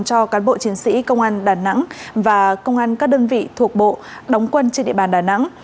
cho cán bộ chiến sĩ công an đà nẵng và công an các đơn vị thuộc bộ đóng quân trên địa bàn đà nẵng